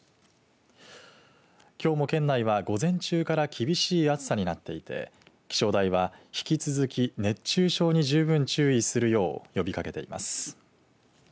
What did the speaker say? きょうも県内は、午前中から厳しい暑さになっていて気象台は引き続き熱中症に十分警戒するよう呼びかけています。